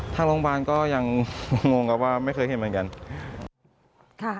ทางโรงพยาบาลก็ยังงงครับว่าไม่เคยเห็นเหมือนกัน